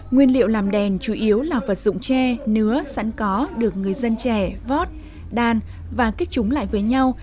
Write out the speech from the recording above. nguyên liệu làm đèn chủ yếu là vật dụng tre nứa sẵn có được người dân trẻ vót đan và kích chúng lại với nhau